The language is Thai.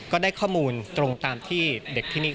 ก็ได้ข้อมูลตรงตามที่เด็กที่นี่